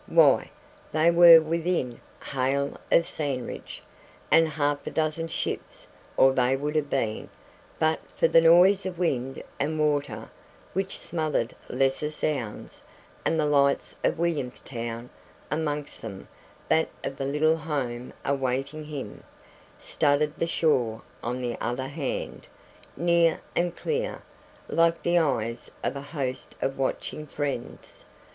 Why, they were within hail of Sandridge, and half a dozen ships or they would have been, but for the noise of wind and water, which smothered lesser sounds; and the lights of Williamstown amongst them that of the little home awaiting him studded the shore on the other hand, near and clear, like the eyes of a host of watching friends.